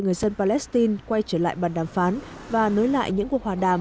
người dân palestine quay trở lại bàn đàm phán và nối lại những cuộc hòa đàm